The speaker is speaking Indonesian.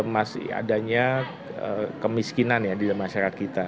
masih adanya kemiskinan ya di masyarakat kita